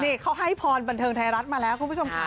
นี่เขาให้พรบันเทิงไทยรัฐมาแล้วคุณผู้ชมค่ะ